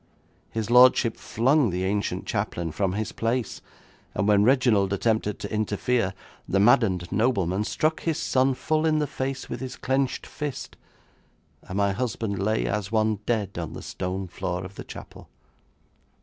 His lordship flung the ancient chaplain from his place, and when Reginald attempted to interfere, the maddened nobleman struck his son full in the face with his clenched fist, and my husband lay as one dead on the stone floor of the chapel.